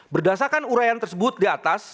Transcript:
berdasarkan urayan tersebut di atas